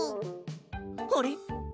あれ？